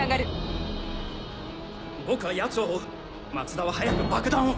僕はヤツを追う松田は早く爆弾を！